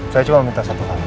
saya cuma minta satu hal